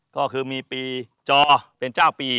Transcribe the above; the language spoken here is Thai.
ก็คือมีปีจอเป็นเจ้าปี